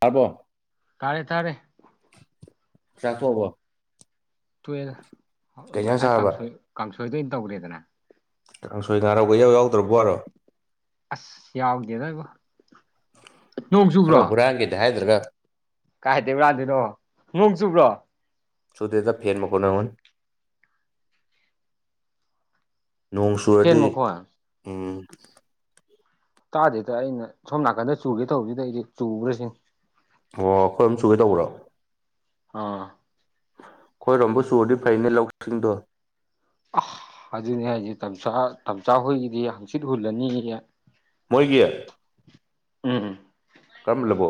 ꯊꯔꯕꯣ ꯇꯥꯔꯦ ꯇꯥꯔꯦ ꯆꯀꯣꯕ ꯇꯨꯋ ꯉꯁꯥꯏ ꯀꯥꯡꯁꯣꯏ ꯀꯥꯡꯁꯣꯏꯗꯣꯏ ꯑꯣꯏꯅ ꯇꯧꯔꯦꯗꯅ ꯀꯥꯡꯁꯣꯏ ꯉꯔꯥꯎꯕ ꯌꯥꯎ ꯌꯥꯎꯗ꯭ꯔꯕꯔꯣ ꯑꯁ ꯌꯥꯎꯗꯦꯗꯕꯣ ꯈꯔ ꯍꯨꯔꯥꯡꯒꯦꯗ ꯍꯥꯏꯗ꯭ꯔꯒ ꯀꯥꯏꯗꯦꯕ ꯔꯥꯗꯣꯏꯅꯣ ꯅꯣꯡ ꯆꯨꯕ꯭ꯔꯣ ꯁꯨꯗꯦꯗ ꯐꯦꯔ ꯃꯀꯣꯅꯍꯨꯣꯟ ꯅꯣꯡ ꯐꯦꯟ ꯁꯨꯔꯗꯤ ꯃꯈꯣꯟ ꯎꯝ ꯇꯥꯗꯦꯗ ꯑꯩꯅ ꯁꯣꯝ ꯅꯥꯀꯟꯗ ꯆꯨꯒꯦ ꯇꯧꯕꯁꯤꯗ ꯑꯩꯁꯦ ꯆꯨꯈ꯭ꯔꯁꯤ ꯑꯣ ꯑꯩꯈꯣꯏ ꯑꯃꯝ ꯁꯨꯒꯦ ꯇꯧꯕ꯭ꯔꯣ ꯑꯥ ꯈꯣꯏꯔꯣꯝꯕꯨ ꯁꯨꯔꯗꯤ ꯐꯩꯅꯦ ꯂꯧꯁꯤꯡꯗꯣ ꯑ ꯑꯗꯨꯅꯤ ꯍꯥꯏꯁꯦ ꯇꯝꯆꯥꯥ ꯍꯨꯣꯏꯒꯤꯗꯤ ꯍꯪꯆꯤꯠ ꯍꯨꯜꯂꯅꯤ ꯃꯣꯏꯒꯤ ꯎꯝꯝ ꯀꯝ ꯂꯕꯣ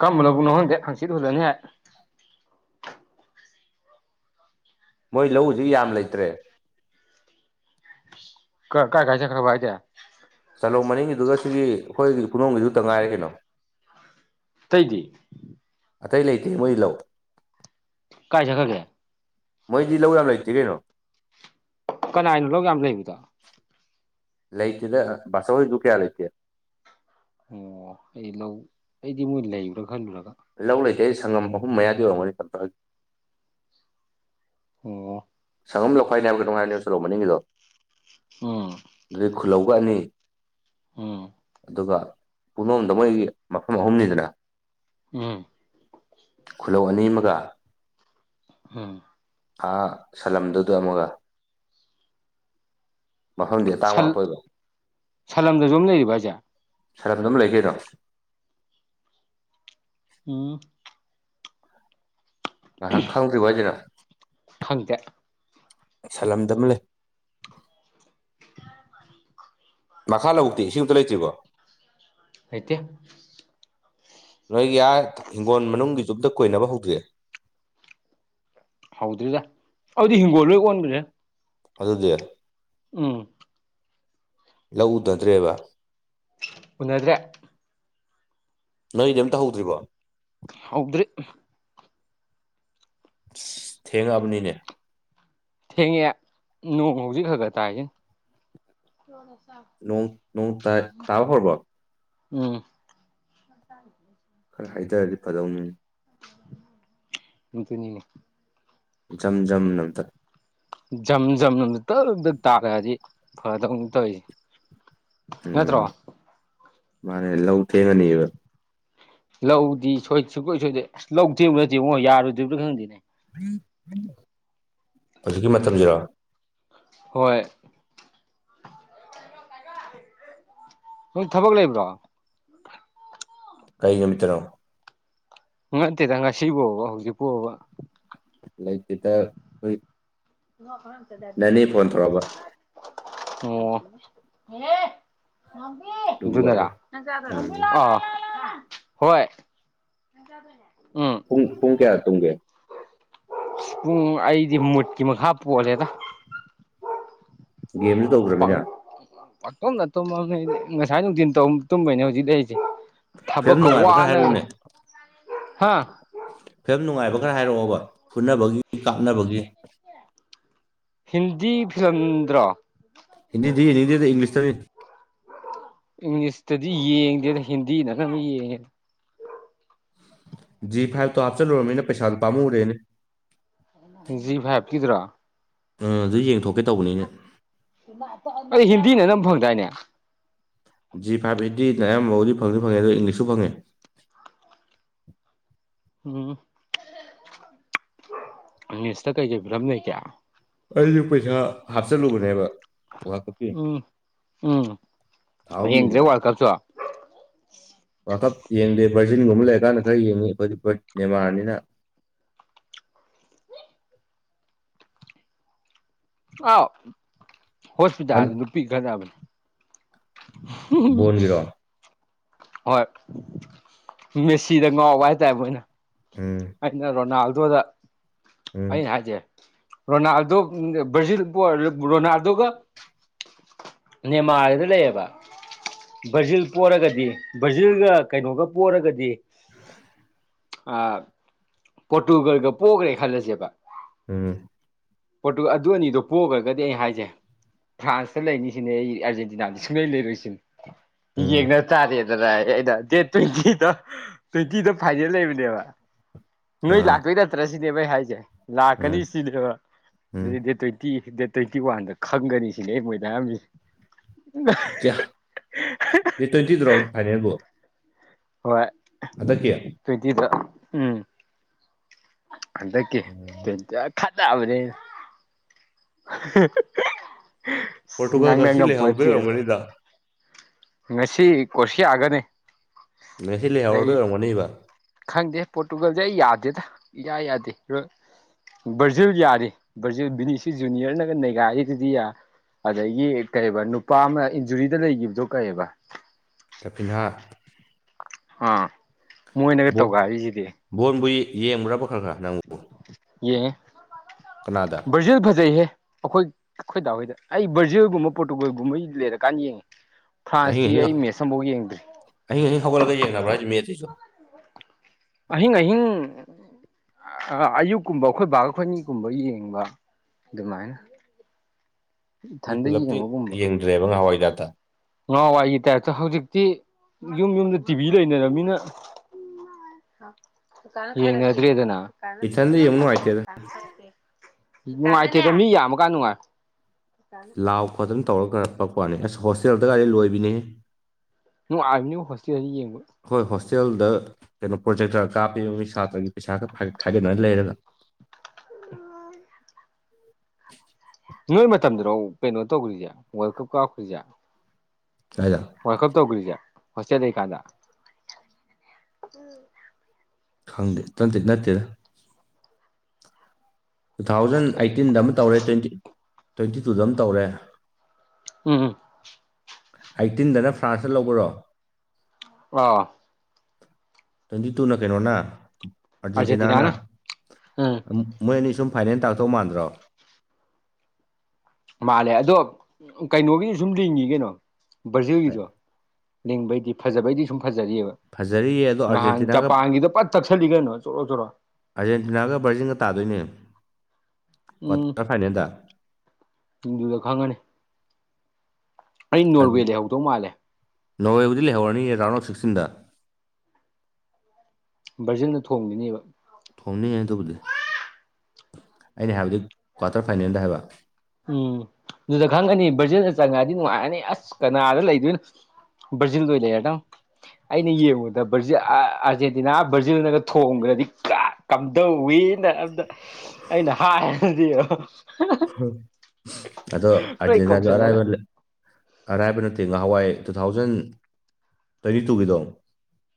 ꯀꯝꯕꯅꯕꯨꯅꯣ ꯍꯪꯗꯦ ꯍꯪꯆꯤꯠ ꯍꯨꯜꯂꯅꯤ ꯍꯥꯏ ꯃꯣꯏ ꯂꯧꯁꯤ ꯌꯥꯝ ꯂꯩꯇ꯭ꯔꯦ ꯀ ꯀꯥꯏ ꯈꯥꯏꯁ ꯈꯔꯕ ꯍꯥꯏꯗ ꯆꯥꯂꯧ ꯃꯅꯤꯡꯒꯤꯗꯨꯒ ꯁꯤꯒꯤ ꯑꯩꯈꯣꯏꯒꯤ ꯄꯅꯨꯡꯒꯤꯗꯨꯇ ꯉꯥꯏꯔ ꯀꯩꯅꯣ [unintelligible] ꯑꯇꯩ ꯂꯩꯇꯦ ꯃꯣꯏ ꯂꯧ ꯀꯥꯏ ꯁꯒꯒꯦ ꯃꯣꯏꯗꯤ ꯂꯧ ꯌꯥꯝ ꯂꯩꯇ꯭ꯔꯅꯣ ꯀꯅꯥꯅꯣ ꯂꯧ ꯌꯥꯝ ꯂꯩꯃꯤꯗꯣ ꯂꯩꯇꯦꯗ ꯕꯥꯁꯧ ꯍꯣꯏꯗꯨ ꯀꯌꯥ ꯂꯩꯇꯦ ꯑꯣ ꯑꯩ ꯂꯧ ꯑꯩꯗꯤ ꯃꯣꯏ ꯂꯩꯕ꯭ꯔꯥ ꯈꯜꯂꯨꯔꯒ ꯂꯧ ꯂꯩꯇꯦ ꯑꯩ ꯁꯪꯉꯝ ꯑꯍꯨꯝ ꯃꯌꯥꯗ ꯌꯔꯝꯒꯅꯤ ꯇꯊꯒ ꯑꯣ ꯁꯪꯝ ꯂꯧꯈꯥꯏꯅꯦ ꯍꯥꯏꯕ ꯀꯗꯅꯨꯡꯉꯥꯏꯔꯅꯤꯣꯂꯣ ꯃꯅꯤꯡꯒꯤꯗꯣ ꯑꯣ ꯈꯨꯜꯂꯧꯒꯅꯤ ꯎꯝ ꯑꯗꯨꯒ ꯄꯂꯣꯝꯗ ꯃꯣꯏꯒꯤ ꯃꯐꯝ ꯑꯍꯨꯝꯅꯤꯗꯅ ꯎꯝ ꯈꯨꯂꯧ ꯑꯅꯤ ꯑꯃꯒ ꯎꯝ ꯑꯥ ꯁꯂꯝꯗꯨꯗꯣ ꯑꯃꯒ ꯃꯐꯝꯗꯤ ꯑꯇꯥꯡꯕꯥꯛꯄꯣꯏꯕ ꯁꯂꯝꯗꯁꯨꯣꯝ ꯂꯩꯔꯤꯕꯖꯦ ꯁꯔꯕꯗꯝ ꯂꯩꯒꯦꯔꯁꯤꯦ ꯎꯝ ꯉꯥꯏꯍꯥꯛ ꯈꯪꯗ꯭ꯔꯤꯕꯚ ꯍꯥꯏꯖꯔ ꯈꯪꯗꯦ ꯁꯥꯂꯝꯗꯝꯝ ꯂꯩ ꯃꯈꯥ ꯂꯧꯕꯨꯛꯇꯤ ꯏꯁꯤꯡ ꯑ ꯑꯃꯨꯛꯇ ꯂꯩꯇ꯭ꯔꯤꯕꯣ ꯑꯇ ꯅꯣꯏꯒꯤ ꯌꯥꯔ ꯍꯤꯡꯒꯣꯜ ꯃꯅꯨꯡꯒꯤ ꯆꯨꯞꯇ ꯀꯣꯏꯅꯕ ꯍꯧꯗ꯭ꯑꯦ ꯍꯧꯗ꯭ꯔꯤꯗ ꯑꯗꯨꯗꯤ ꯍꯤꯡꯒꯣꯜ ꯂꯣꯏ ꯑꯣꯣꯟꯕꯅꯦꯦ ꯑꯗꯨꯗꯤ ꯎꯝ ꯂꯧꯎꯗꯗ꯭ꯔꯦꯕ ꯎꯅꯗ꯭ꯔꯦ ꯅꯣꯏꯗꯤ ꯑꯝꯇ ꯍꯧꯧꯗ꯭ꯔꯤꯕꯣ ꯍꯗ꯭꯭ꯔꯔꯤ ꯊꯦꯡꯉꯕꯅꯤꯅꯦ ꯊꯦꯡꯉꯦ ꯅꯣꯡ ꯍꯧꯖꯤꯛ ꯈ ꯈ ꯇꯥꯏꯁꯤꯦ ꯅꯣꯡ ꯅꯣꯡ ꯇꯥꯏ ꯇꯕ ꯍꯔꯕꯠ ꯎꯝ ꯈꯔ ꯍꯥꯏꯖꯔꯗꯤ ꯐꯗꯧꯅꯤ ꯍꯇꯅꯤꯅꯦ ꯝ ꯖꯝ ꯅꯝꯇꯛ ꯖꯝ ꯖꯝꯝ ꯇꯞꯝꯇ ꯇꯥꯛꯂꯛꯑꯗꯤ ꯐꯗꯧ ꯇꯧꯔꯤꯁꯦ ꯎꯝ ꯅꯠꯇ꯭ꯔꯣ ꯃꯥꯅꯦ ꯂꯧ ꯊꯦꯡꯉꯅꯤꯕ ꯂꯧꯗꯤ ꯁꯣꯏ ꯁꯨꯡꯀꯣꯏ ꯁꯣꯏꯗꯦ ꯑꯁ ꯂꯧ ꯊꯦꯡꯕ ꯅꯠꯇꯦꯕꯉꯣ ꯌꯥꯔꯨꯗ꯭꯭ꯔꯥ ꯈꯪꯗꯦꯅꯦ ꯍꯧꯖꯤꯛꯀꯤ ꯃꯇꯝꯁꯤꯔꯥ ꯍꯣꯏ ꯅꯣꯏ ꯊꯕꯛ ꯂꯩꯕ꯭ꯔꯣ ꯀꯩꯒꯃꯤꯠꯇꯔꯣ ꯎꯇꯦ ꯇꯪ ꯉ ꯁꯤꯕꯣ ꯍꯧꯖꯤ ꯄꯨꯕ ꯂꯩꯇꯦꯗ ꯍꯣꯏ ꯅ ꯀꯠꯇ ꯗꯕꯤꯗꯤꯁꯀ ꯑꯣꯝ ꯑꯗꯨꯒꯤ ꯋꯥꯅꯤ ꯖꯨꯅꯔ ꯎꯝ ꯑ ꯍꯣꯏ ꯎꯝ ꯄꯨꯡ ꯄꯨꯡ ꯀꯌꯥ ꯇꯨ ꯀꯦ ꯄꯨꯡ ꯑꯩꯗꯤ ꯃꯨꯠꯀꯤ ꯃꯈꯥ ꯄꯣꯂꯦꯗ ꯒꯦꯝꯁꯨ ꯇꯧꯗ꯭ꯔꯃꯤꯅ ꯑꯇꯣꯝꯅꯇꯨꯝꯈ ꯉꯁꯥꯏ ꯅꯨꯡꯊꯤꯤꯟ ꯇꯨꯝꯕꯅꯦ ꯍꯧꯖꯤꯛ ꯂꯩꯔꯤꯁꯦ ꯊꯕꯛ ꯐꯤꯂꯝ ꯀꯧ ꯅꯨꯡꯉꯥꯏꯕ ꯈꯔ ꯋꯥꯅ ꯍꯥꯏꯔꯛꯎꯅꯦ ꯍꯥ ꯌꯥꯝ ꯅꯨꯡꯉꯥꯏꯕ ꯈꯔ ꯍꯥꯏꯔꯛꯑꯣꯕ ꯐꯨꯅꯕꯒꯤ ꯀꯥꯞꯅꯕꯒꯤ ꯍꯤꯟꯗꯤ ꯐꯤꯂꯝꯂꯝꯗ꯭ꯔ ꯍꯤꯟꯗꯤ ꯍꯤꯟꯗꯤ ꯑꯃꯗꯤ ꯏꯪꯂꯤꯁ ꯇ ꯏꯪꯂꯤꯁꯇꯗꯤ ꯌꯦꯡꯗꯦꯗ ꯍꯤꯟꯗꯤꯅ ꯀꯝ ꯌꯦꯡꯉꯦ ꯖꯤ ꯐꯥꯏꯚꯇꯣ ꯍꯥꯞꯆꯤꯜꯂꯨꯔꯕꯅꯤꯅ ꯄꯩꯁꯥꯗꯨꯣ ꯄꯥꯝꯃꯨꯔꯦꯅꯦ ꯖꯤ ꯐꯥꯏꯕ ꯀꯗꯔꯥ ꯑꯥ ꯑꯗꯨ ꯌꯦꯡꯊꯣꯛꯀꯦ ꯇꯧꯕꯅꯤ ꯑꯅꯦ ꯑꯩ ꯍꯤꯟꯗꯤꯅ ꯅꯝ ꯐꯪꯗꯥꯏꯅꯦ ꯖꯤ ꯐꯥꯏꯚ ꯑꯩꯠꯇꯤ ꯑꯌꯥꯝ ꯃꯑꯣꯡꯗꯤ ꯐꯪꯤ ꯐꯪꯉꯦ ꯑ ꯏꯪꯂꯤꯁꯁꯨ ꯐꯪꯉꯦ ꯎꯝ ꯑꯪꯂꯤꯁꯇ ꯀꯩꯀꯩ ꯐꯤꯂꯝꯗꯣꯏ ꯀꯌꯥ ꯑꯩꯁꯨ ꯄꯩꯁꯥ ꯍꯥꯞꯆꯜꯂꯨꯕꯅꯦꯕ ꯋꯥꯔꯜ ꯀꯞꯀꯤ ꯎꯝ ꯎꯝ ꯌꯦꯡꯗ꯭ꯔꯦ ꯋꯥꯔꯀꯜꯁꯨ ꯋꯑꯥꯜ ꯀꯤꯞꯞ ꯌꯦꯗꯤ ꯚꯔꯖꯤꯟꯒꯨꯝꯕ ꯂꯩꯔꯀꯥꯟꯗ ꯈꯔ ꯌꯦꯡꯉꯤ ꯑꯩꯈꯣꯏꯗꯤ ꯕꯔꯠ ꯅꯦꯃꯥꯔꯅꯤꯅ [unintelligible] ꯑꯥꯎ ꯍꯟ ꯍꯣꯁꯄꯤꯇꯥꯜ ꯅꯨꯄꯤ ꯈꯇꯅꯕꯅꯤ ꯕꯣꯟ ꯒꯤꯔꯣꯟ ꯍꯣꯏ ꯃꯦꯁꯤꯗ ꯉꯥꯎꯕ ꯍꯥꯏꯇꯥꯔꯦ ꯃꯣꯏꯅ ꯎꯝ ꯑꯩꯅ ꯔꯣꯅꯥꯜꯗꯣꯗ ꯎꯝ ꯑꯩꯅ ꯍꯥꯏꯖꯩ ꯔꯣꯅꯥꯜꯗꯣ ꯭ꯔꯖꯤꯜ ꯔꯣꯅꯥꯜꯗꯣ ꯀ ꯅꯦꯃꯥꯜꯂꯤꯗ ꯂꯩꯌꯦꯕ ꯕ꯭ꯔꯥꯖꯤꯜ ꯄꯣꯔꯔꯒꯗꯤ ꯕ꯭ꯔꯖꯤꯜꯒ ꯀꯩꯅꯣꯒ ꯄꯣꯔꯔꯒꯗꯤ ꯑ ꯄꯣꯔꯇꯨꯒꯜꯒ ꯄꯣꯛꯈ꯭ꯔꯦ ꯈꯜꯂꯁꯦꯕ ꯎꯝ ꯄꯣꯠꯇꯨ ꯑꯗꯨ ꯑꯅꯤꯗꯣ ꯄꯣꯛꯈ꯭ꯔꯒꯗꯤ ꯑꯩ ꯍꯥꯏꯁꯦ ꯐ꯭ꯔꯥꯟꯁꯇ ꯂꯩꯅꯤꯁꯤꯅꯦ ꯑꯩ ꯑꯥꯔꯖꯦꯟꯇꯤꯅꯥꯗꯤ ꯁꯨꯡꯂꯩ ꯂꯩꯔꯣꯏꯁꯤꯨꯝ ꯎꯝ ꯌꯦꯡꯅ ꯇꯥꯔꯦ ꯑꯩꯅ ꯗꯦ ꯇ꯭ꯋꯤ ꯇ꯭ꯋꯦꯟꯇꯤꯗ ꯐꯥꯏꯅꯦꯜ ꯂꯩꯕꯅꯦꯕ ꯅꯣꯏ ꯑꯥ ꯂꯥꯛꯇꯣꯏ ꯅꯠꯇ꯭ꯔꯥ ꯁꯤꯅꯦꯕ ꯑꯩ ꯍꯥꯏꯁꯦ ꯎꯝ ꯂꯥꯛꯀꯅꯤ ꯁꯤꯅꯦꯕ ꯎꯝ ꯑꯗꯨꯗꯤ ꯗꯦ ꯇ꯭ꯋꯇꯤ ꯗꯦꯠ ꯇ꯭ꯋꯦꯟꯇꯤ ꯋꯥꯟꯗ ꯈꯪꯒꯅꯤ ꯁꯤꯅꯦ ꯃꯣꯏꯗ ꯍꯥꯏꯝꯁꯤ ꯀꯌꯥ ꯇ꯭ꯋꯦꯟꯇꯤ ꯊ꯭ꯔꯥꯎ ꯐꯥꯏꯅꯦꯕꯨꯣ ꯍꯣꯏ ꯇꯗꯤꯤꯗ ꯎꯝ ꯑꯗ ꯀ ꯎꯝ ꯈꯅꯕꯅꯦ ꯄꯣꯔꯇꯨꯒꯜ ꯉꯡꯟ ꯉꯁꯤ ꯉꯥꯝ ꯂꯩꯍꯧꯗꯣꯏ ꯄꯣꯟꯇꯦꯅꯦ ꯑꯣꯏꯔꯝꯒꯅꯤꯗ ꯉꯁꯤ ꯀꯣꯁꯤ ꯌꯥꯛꯒꯅꯤ ꯃꯦꯈꯂꯤ ꯍꯔꯗ ꯔꯃꯅꯤꯕ ꯈꯪꯗꯦ ꯄꯣꯔꯇꯨꯒꯜꯁꯦ ꯑꯩ ꯌꯥꯗꯦꯗ ꯏꯌꯥ ꯌꯥꯗꯦ ꯕ꯭ꯔꯔꯖꯤꯜ ꯌꯥꯔꯤ ꯕ꯭ꯔꯔꯖꯤꯜ ꯕꯤꯅꯤꯁꯤ ꯖꯨꯅꯤꯌꯔꯅꯒ ꯅꯦꯒꯥꯔꯤꯒꯗꯤ ꯌꯥ ꯑꯗꯒꯤ ꯀꯩꯔꯤꯕ ꯅꯨꯄꯥ ꯑꯃ ꯏꯟꯖꯨꯔꯤꯗ ꯂꯩꯈꯤꯕꯗꯣ ꯀꯩꯕ ꯇꯄꯤꯟꯍꯥ ꯑꯥ ꯃꯣꯏꯅꯒ ꯇꯧꯒ ꯍꯥꯏꯔꯤꯁꯤꯗꯤ ꯌꯦꯡꯕ꯭ꯔꯥꯕ ꯈꯔ ꯈꯥ ꯅꯪꯕꯨ ꯌꯦꯡꯉꯦ ꯀꯅꯥꯗ ꯕ꯭ꯔꯖꯤꯜ ꯐꯖꯩꯍꯦ ꯑꯩꯈꯣꯏ ꯑꯩꯈꯣꯏ ꯇꯗꯥ ꯍꯣꯏꯗ ꯑꯩ ꯕꯔꯖꯤꯜꯒꯨꯝꯕ ꯄꯣꯔꯇꯨꯒꯜ ꯒꯨꯝꯕ ꯑꯩ ꯂꯩꯔꯀꯥꯟꯗ ꯌꯦꯡꯉꯦ ꯑꯍꯤꯡ ꯐ꯭ꯔꯥꯟꯁꯇꯤ ꯑꯩ ꯃꯦꯠꯁ ꯑꯃꯐꯥꯎ ꯌꯦꯡꯗ꯭ꯔꯤ ꯊꯒꯥꯏ ꯌꯦꯅ ꯃꯔꯥꯏ ꯃꯤꯇꯩꯁꯨ ꯑꯍꯤꯡ ꯑꯍꯤꯡ ꯑꯌꯨꯛꯀꯨꯝꯕ ꯑꯩꯈꯣꯏ ꯕꯥꯈꯣꯏꯅꯤꯒꯨꯝꯕ ꯌꯦꯡꯕ ꯑꯗꯨꯃꯥꯏꯅ ꯃꯤ ꯏꯊꯟꯗ ꯄꯨꯂꯞꯛꯇꯤ ꯌꯦꯡꯕꯒꯨꯝꯕ ꯌꯦꯡꯗ꯭ꯔꯦꯕ ꯉꯍꯋꯥꯏꯗ ꯉꯍꯥꯟꯋꯥꯏꯒꯤ ꯇꯥꯏꯞꯇ ꯍꯧꯖꯤꯛꯇꯤ ꯌꯨꯝ ꯌꯨꯝꯗ ꯇꯤꯚꯤ ꯂꯩꯅꯔꯕꯅꯤꯅ ꯌꯦꯉꯗ꯭ꯔꯔꯤ ꯑꯗꯨꯅ ꯏꯊꯟꯗ ꯌꯦꯡꯕ ꯅꯨꯡꯉꯥꯏꯇꯦꯗ ꯅꯨꯡꯉꯥꯏꯇꯦꯕ ꯃꯤ ꯌꯥꯝꯃꯀꯥꯟ ꯅꯨꯡꯉꯥꯏ ꯂꯥꯎ ꯈꯣꯠꯇꯅ ꯇꯧꯔꯒ ꯈꯔꯛꯄꯄꯅꯤ ꯑꯁ ꯍꯣꯁꯇꯦꯜꯗ ꯒꯥꯔꯤ ꯂꯣꯏꯕꯤꯅꯦ ꯅꯅꯨꯡ ꯑꯕꯅꯦ ꯍꯣꯁꯇꯦꯜꯗꯤ ꯌꯦꯡꯕ ꯍꯣꯁꯇꯦꯜꯗ ꯀꯩꯅꯣ ꯄ꯭ꯔꯣꯖꯦꯛ ꯈꯔ ꯀꯥꯞꯄꯤꯕ ꯃꯤ ꯁꯥꯇ꯭ꯔꯒꯤ ꯄꯩꯁꯥ ꯈꯔꯒꯠ ꯈꯥꯏꯒꯠꯅ ꯂꯩꯔꯒ ꯎꯝ [inaudible] ꯅꯣꯏ ꯃꯇꯝꯗꯨꯗꯣ ꯀꯩꯅꯣ ꯇꯧꯈ꯭ꯔꯤꯁꯦ ꯋꯥꯔꯜ ꯀꯞ ꯀꯥꯞꯈ꯭ꯔꯤꯁꯦ ꯀꯥꯏꯗ ꯋꯥꯀꯞ ꯇꯧꯒꯔꯤꯖꯦ ꯍꯣꯁꯇꯦꯜ ꯂꯩꯀꯥꯗ ꯈꯪꯗꯦ ꯅꯠꯇꯦ ꯅꯠꯇꯦꯗ ꯇꯨ ꯊꯥꯎꯖꯟ ꯑꯩꯠꯇꯤꯟꯗ ꯑꯃ ꯇꯧꯔꯦ ꯇ꯭ꯋꯦꯟꯇꯤ ꯇ꯭ꯋꯦꯟꯇꯤ ꯇꯨꯗ ꯑꯃ ꯇꯧꯔꯦ ꯎꯝ ꯑꯩꯥꯏꯇꯤꯟꯗꯅ ꯐ꯭ꯔꯥꯟꯁꯇ ꯂꯧꯕꯔꯣ ꯑ ꯇ꯭ꯋꯦꯟꯇꯤ ꯇꯨꯅ ꯀꯩꯅꯣꯅ ꯑꯔꯖꯦꯟꯇꯤꯅꯥꯅ ꯑꯥꯔꯖꯦꯟꯇꯤꯅꯥꯅ ꯎꯝ ꯃꯅꯤ ꯁꯨꯝ ꯐꯥꯏꯅꯦꯜ ꯇꯥꯛꯊꯣꯛ ꯃꯥꯟꯗ꯭ꯔꯣ ꯃꯥꯜꯂꯦ ꯑꯗꯣ ꯀꯩꯅꯣꯒꯤꯁꯨ ꯁꯨꯝ ꯂꯤꯡꯉ ꯀꯩꯅꯣ ꯕ꯭ꯔꯥꯖꯤꯜꯒꯤꯁꯨ ꯂꯤꯡꯕꯗꯤ ꯐꯥꯕ ꯍꯥꯏꯗꯤ ꯁꯨꯝ ꯐꯖꯔꯤꯑꯕ ꯐꯖꯔꯤꯌꯦ ꯑꯗꯣ ꯅꯍꯥꯟ ꯑꯥꯔꯖꯦꯟꯇꯤꯅꯥꯒ ꯖꯄꯥꯟꯒꯤꯗꯣ ꯄꯠ ꯇꯛꯁꯜꯂꯤ ꯀꯩꯅꯣ ꯆꯣꯔꯣ ꯆꯣꯔꯣ ꯑꯥꯔꯖꯦꯟꯇꯤꯅꯥꯒ ꯕꯔꯖꯤꯟꯒ ꯇꯥꯗꯣꯏꯅꯦ ꯎꯝ ꯀ꯭ꯋꯥꯇꯔ ꯐꯥꯏꯅꯦꯜꯗ ꯑꯗꯨꯗ ꯈꯥꯡꯒꯅꯤ ꯑꯩ ꯅꯣꯔꯋꯦ ꯂꯩꯍꯧꯗꯧ ꯃꯥꯜꯂꯦ ꯅꯣꯋꯦꯕꯨꯗꯤ ꯂꯩꯍꯧꯔꯅꯤ ꯔꯥꯎꯟ ꯑꯣꯐ ꯁꯤꯛꯁꯇꯤꯟꯗ ꯕ꯭ꯔꯖꯤꯜꯅ ꯊꯣꯡꯒꯤꯅꯦꯕ ꯊꯣꯝꯅꯤꯉꯅ ꯇꯧꯕꯗꯤ ꯑꯩꯅ ꯍꯥꯏꯕꯗꯤ ꯀ꯭ꯋꯥꯇꯔ ꯐꯥꯏꯅꯦꯜꯗ ꯍꯥꯏꯕ ꯎꯝ ꯑꯗꯨꯗ ꯈꯪꯉꯅꯤ ꯕ꯭ꯔꯖꯤꯜꯗ ꯆꯪꯉꯗꯤ ꯅꯨꯡꯉꯥꯏꯔꯅꯤ ꯑꯁ ꯀꯅꯥꯗ ꯂꯩꯗꯣꯏꯅꯣ ꯕ꯭ꯔꯥꯖꯤꯜꯗ ꯑꯣꯢ ꯂꯩꯔꯗꯕꯅꯤ ꯑꯩꯅ ꯌꯦꯡꯉꯨꯗ ꯕ ꯑꯥꯔꯖꯦꯟꯇꯤꯅꯥ ꯕ꯭ꯔꯥꯖꯤꯜꯅꯒ ꯊꯣꯡꯈ꯭ꯔꯗꯤ ꯀꯝꯗꯧꯋꯤ ꯑꯗ ꯑꯩꯅ ꯍꯥꯏꯗꯤ ꯑꯗꯣ ꯑꯥꯔꯖꯦꯟꯇꯤꯗꯣ ꯀꯧꯁꯤꯜꯂꯒ ꯑꯔꯥꯏꯕ ꯑꯔꯥꯏꯕ ꯅꯠꯇꯦ ꯉꯍꯥꯟꯋꯥꯏ ꯇꯨ ꯊꯥꯎꯖꯟ ꯇ꯭ꯋꯦꯟꯇꯤ ꯇꯨꯒꯤꯗꯣ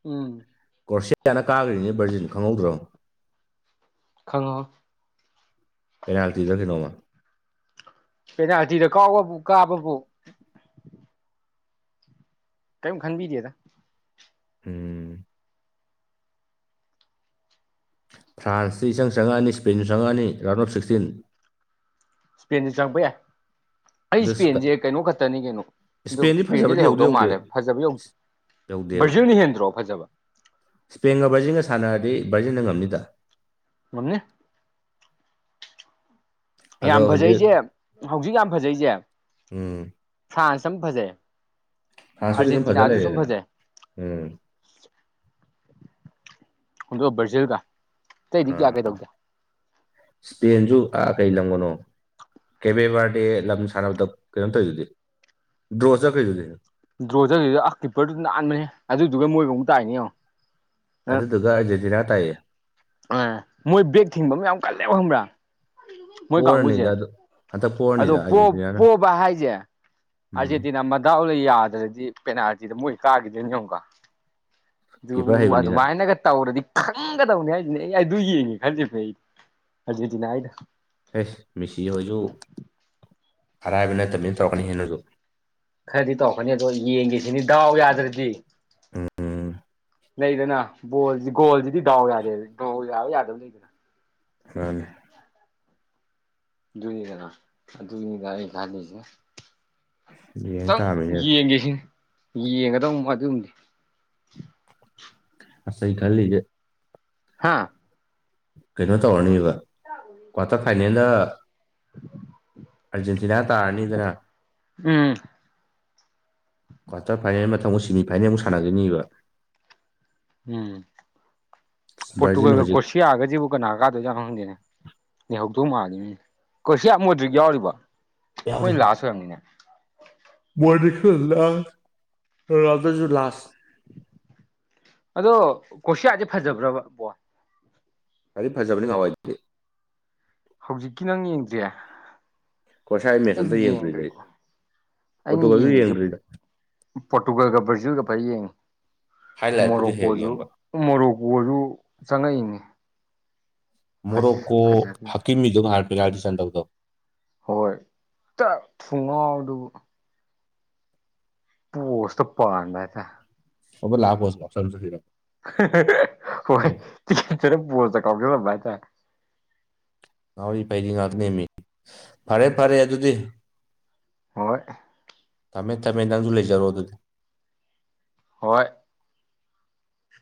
ꯎꯝ ꯀ꯭ꯔꯣꯁꯌꯥꯅ ꯀꯥꯈ꯭ꯔꯤꯅꯤ ꯕꯔꯖꯤꯟ ꯈꯪꯍꯧꯗ꯭ꯔꯣ ꯈꯪꯉꯣ ꯄꯦꯅꯥꯜꯇꯤꯗꯈꯤ ꯅꯣꯃ ꯀꯩꯩꯅ ꯍꯥꯊꯤꯗ ꯀꯥꯎꯕꯕꯨ ꯀꯥꯕꯕꯨ ꯀꯔꯤꯝ ꯈꯟꯕꯤꯗꯦꯗ ꯍꯝ ꯐ꯭ꯔꯥꯟꯁꯇ ꯏꯁꯆꯪ ꯆꯪꯉꯑꯅꯤ ꯏꯁꯄꯦꯟꯗ ꯆꯪꯉꯑꯅꯤ ꯔꯥꯎꯟ ꯑꯣꯐ ꯁꯤꯛꯁꯇꯤꯟ ꯁꯄꯦꯦꯟ ꯆꯪꯄ ꯌꯥ ꯑꯩ ꯑꯗ ꯏꯁꯄꯦꯟꯁꯦ ꯀꯩꯅꯣ ꯈꯛꯇꯅꯤ ꯀꯩꯅꯣ ꯑ ꯏꯁꯄꯦꯟꯗꯤ ꯏꯁꯄꯦꯟꯁꯦ ꯐꯖꯕꯗꯤ ꯌꯧꯗꯤ ꯂꯩꯍꯧꯗꯧ ꯌꯧꯗꯦ ꯃꯥꯜꯂꯦ ꯐꯖꯕ ꯌꯧꯗ꯭ꯦ ꯕꯔꯖꯔꯅ ꯍꯦꯟꯗ꯭ꯔꯣ ꯐꯖꯕ ꯁ꯭ꯄꯦꯟꯒ ꯕꯔꯖꯤꯟꯒ ꯁꯥꯟꯅꯔꯗꯤ ꯕꯔꯖꯤꯜꯅ ꯉꯝꯅꯤꯗ ꯃꯅꯤ ꯑꯗꯣ ꯌꯥꯝ ꯍꯧꯖꯤꯛ ꯐꯖꯩꯁꯦ ꯍꯧꯖꯤꯛ ꯌꯥꯝ ꯐꯖꯩꯁꯦ ꯎꯝ ꯐ꯭ꯔꯥꯟꯁ ꯁ ꯐꯖꯦ ꯐ꯭ꯔꯥꯟꯁꯄꯨꯗꯤ ꯑꯔꯖꯦꯟꯇꯤꯅꯥ ꯐꯖ ꯑ ꯑꯗꯨ ꯁꯨꯝ ꯂꯩꯔꯦꯗꯅ ꯐꯖꯦ ꯎꯝ ꯎꯗꯨ ꯭ꯔꯥꯖꯤꯜ ꯀ ꯑ ꯏꯁꯄꯦꯦꯟꯁꯨ ꯑ ꯀꯩ ꯂꯪꯉꯣꯅꯣ ꯀꯦꯕꯦꯕꯥꯔꯗꯦ ꯂꯝ ꯁꯥꯟꯅꯕꯗ ꯀꯩꯅꯣꯝ ꯇꯧꯔꯤꯗꯨꯗꯤ ꯗ꯭ꯔꯣ ꯆꯠꯈ꯭ꯔꯔꯤꯗꯨꯗꯤ ꯗ꯭ꯔꯣꯗꯔꯤꯗ ꯑ ꯀꯤꯞꯄꯔꯗꯨ ꯅꯥꯟꯥꯟꯕꯅꯦ ꯑꯗꯨꯗꯨꯒ ꯃꯣꯏꯒ ꯑꯃꯨꯛ ꯇꯥꯏꯅꯦ ꯌꯦꯡꯉꯣ ꯑꯗꯨꯗꯨꯒ ꯑꯔꯖꯦꯟꯇꯤꯅꯥ ꯇꯥꯏꯌꯦ ꯑ ꯃꯣꯏ ꯕꯦꯛ ꯊꯤꯡꯕ ꯑꯃ ꯌꯥꯝ ꯀꯜꯂꯦꯕ ꯈꯪꯕ꯭ꯔꯥ ꯃꯣꯏ ꯀꯥꯡꯕꯨꯁꯦ ꯄꯣꯔꯅꯤꯗ ꯑꯗꯨ ꯍꯟꯇꯛ ꯑꯗꯣ ꯄꯣꯔꯅꯤꯗ ꯑꯥꯔꯖꯦꯟꯇꯤꯅꯥꯅ ꯄꯣꯕ ꯍꯥꯏꯁꯦ ꯎꯝ ꯑꯥꯔꯖꯦꯟꯇꯤꯅꯥ ꯃꯗꯥꯎꯂ ꯌꯥꯗ꯭ꯔꯗꯤ ꯄꯦꯅꯥꯜꯇꯤꯗ ꯃꯣꯏ ꯀꯥꯈꯤꯗꯣꯏꯅꯦ ꯑꯃꯨꯛꯀ ꯑꯗꯨ ꯀꯤꯞꯄꯔ ꯑꯗꯨ ꯍꯩꯕꯅꯤꯅ ꯃꯥꯥꯏꯅꯒ ꯇ ꯍꯧꯔꯗꯤ ꯈꯪꯒꯗꯕꯅꯤ ꯍꯥꯏꯁꯤꯅꯦ ꯑꯩ ꯑꯩ ꯑꯗꯨ ꯌꯦꯡꯉꯦ ꯈꯟꯖꯕ ꯑꯩꯗꯤ ꯑꯔꯖꯦꯟꯇꯤꯅꯥ ꯑꯩꯅ ꯑꯦꯁ ꯃꯤꯁꯤ ꯍꯣꯏꯁꯨ ꯑꯔꯥꯏꯕ ꯅꯠꯇꯕꯅꯤꯅ ꯇꯧꯔꯛꯀꯅꯤ ꯍꯦꯟꯅꯁꯨ ꯈꯔꯗꯤ ꯇꯧꯔꯛꯅꯤ ꯑꯗꯣ ꯌꯦꯡꯒꯁꯤꯅꯤ ꯗꯥꯎ ꯌꯥꯗ꯭ꯔꯗꯤ ꯎꯝ ꯂꯩꯗꯅ ꯣ ꯣꯜꯁꯤꯗꯤ ꯗꯗꯥꯎ ꯌꯥꯗꯦꯎ ꯌꯥ ꯌꯥꯗꯕ ꯂꯩꯗꯅ ꯑꯅꯦ ꯅꯤꯗꯅꯥꯨꯅꯤꯗ ꯊꯥꯗꯗꯤꯁ ꯌꯦꯡ ꯇꯪ ꯇꯥꯕꯅꯤꯅꯦ ꯌꯦꯒꯦ ꯌꯦꯡꯒꯗꯧ ꯑꯗꯨꯝꯗꯤ ꯑꯁ ꯑꯩ ꯈꯜꯂꯤꯒꯦ ꯍꯥꯥ ꯀꯩꯅꯣ ꯇꯧꯔꯅꯤꯕ ꯀ꯭ꯋꯥꯇꯔ ꯐꯥꯏꯅꯦꯜꯗ ꯑꯔꯖꯦꯟꯇꯤꯅꯥ ꯇꯥꯔꯅꯤꯗꯅ ꯎꯝ ꯀ꯭ꯋꯥꯔꯇꯔ ꯐꯥꯏꯅꯦꯜ ꯃꯇꯝꯊꯪ ꯑꯃꯨꯛ ꯁꯤꯦꯃꯤ ꯐꯥꯏꯅꯦꯜꯃꯨꯛ ꯁꯥꯟꯅꯒꯅꯤꯕ ꯎꯝ ꯚꯔꯖꯤꯟ ꯄꯣꯇꯨꯒꯜꯒ ꯍꯧꯖꯤꯛ ꯀꯣꯁꯤ ꯌꯥꯑꯒꯁꯤꯕꯨ ꯀꯅꯥ ꯀꯥꯗꯣꯏꯖ ꯈꯪꯗꯦꯅꯦ ꯂꯩꯩꯍꯧꯗꯧ ꯃꯥꯜꯂꯤꯅꯤꯅꯦ ꯀꯣꯏꯁꯤ ꯌꯥꯝ ꯃꯗ꯭ꯔꯤꯛ ꯌꯥꯎꯔꯤꯕ ꯌꯥꯎꯔꯤ ꯃꯣꯏ ꯂꯥꯁ ꯑꯣꯏꯔꯕꯝꯅꯤꯅꯦ ꯋꯥꯔꯜ ꯔꯁꯨ ꯂꯥꯁ ꯑꯗꯣ ꯀꯣꯁꯤꯌꯥꯁꯦ ꯐꯖꯕ꯭ꯔꯕꯕꯣ ꯀꯒꯥꯔꯤ ꯐꯖꯕꯅꯤ ꯉꯋꯥꯏꯗꯦ ꯍꯧꯖꯤꯛꯀꯤ ꯅꯪ ꯌꯦꯡꯗ꯭ꯔꯤꯦ ꯀꯣꯔꯁꯥꯏ ꯃꯦꯠꯆ ꯑꯩ ꯑꯝꯇ ꯌꯦꯡꯗ꯭ꯔꯤꯗ ꯌꯦꯡꯗ꯭ꯔꯤ ꯑꯩ ꯑꯩꯅ ꯄꯣꯔꯇꯨꯒꯜꯁꯨ ꯌꯦꯡꯉꯁꯤꯦ ꯌꯦꯡꯗ꯭ꯔꯤꯗ ꯄꯣꯔꯇꯨꯒꯜꯒ ꯕ꯭ꯔꯥꯖꯤꯜꯒ ꯐꯔ ꯌꯦꯡꯉꯤ ꯍꯥꯏ ꯂꯥꯏꯠꯄꯨꯗꯤ ꯍꯦꯛ ꯍꯦꯛ ꯃꯣꯔꯣꯛꯀꯣꯁꯨ ꯌꯦꯡꯕ ꯃꯣꯔꯣꯛꯀꯣꯁꯨ ꯆꯪꯉꯛꯏꯅꯦ ꯃꯣꯔ ꯀꯣ ꯐꯖꯒꯤ ꯍꯀꯤꯝꯗꯨ ꯁꯟꯗꯣ ꯍꯣꯏ ꯊꯨꯡꯉꯥꯎ ꯑꯗꯨ ꯄꯣꯁꯇ ꯄꯗꯥꯗ ꯑꯣ ꯂꯥꯛꯄꯣ ꯅꯁꯁꯨ ꯍꯣꯏꯆꯔ ꯄꯣ ꯀꯥꯎꯗ ꯂꯕꯥ ꯇ ꯉꯥꯎꯔꯤ ꯐꯩꯗꯤ ꯉꯥꯏꯍꯥꯛ ꯅꯦꯝꯃꯤ ꯐꯔꯦ ꯐꯔꯦ ꯑꯗꯨꯗꯤ ꯍꯣꯏꯣꯏ ꯇꯥꯃꯦꯦꯟ ꯇꯥꯃꯦꯦꯟ ꯅꯪꯁꯨ ꯂꯩꯖꯔꯣ ꯑꯗꯨꯗꯤ ꯍꯣꯏ